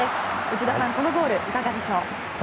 内田さん、このゴールいかがでしょう。